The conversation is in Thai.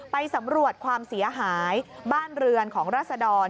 ไปสำรวจความเสียหายบ้านเรือนของราศดร